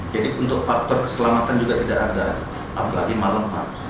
jadi untuk faktor keselamatan juga tidak ada apalagi malem pak